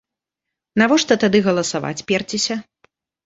Навошта тады галасаваць перціся?